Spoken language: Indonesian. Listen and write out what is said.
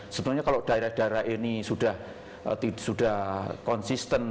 sebenarnya kalau daerah daerah ini sudah konsisten